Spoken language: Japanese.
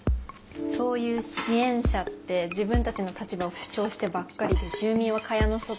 そういう支援者って自分たちの立場を主張してばっかりで住民は蚊帳の外。